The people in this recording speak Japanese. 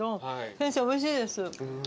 先生おいしいです。